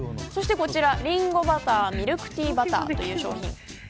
こちら、りんごバターミルクティーバターという商品。